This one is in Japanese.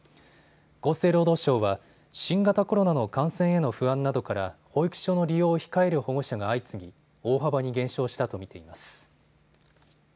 厚生労働省は新型コロナの感染への不安などから保育所の利用を控える保護者が相次ぎ、大幅に減少したと見ています。